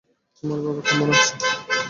তোমার বাবা কেমন আছে?